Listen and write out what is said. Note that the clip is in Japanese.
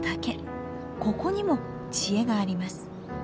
ここにも知恵があります。